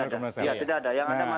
ya tidak ada yang ada mantan mantan ya